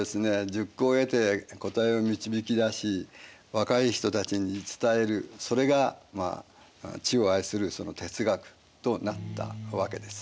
熟考を経て答えを導き出し若い人たちに伝えるそれが知を愛する哲学となったわけです。